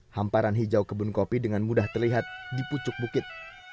hamparan hijau kebun kopi dengan mudah terlihat di pucuk bukit